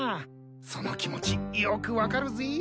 その気持ちよく分かるぜ。